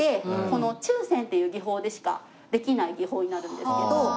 この注染っていう技法でしかできない技法になるんですけど。